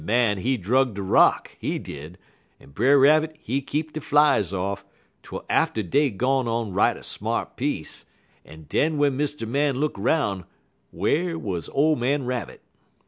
Man, he drug de rock, he did, en Brer Rabbit he keep de flies off, twel atter dey gone on right smart piece, en den w'en Mr. Man look 'roun', whar wuz ole man Rabbit?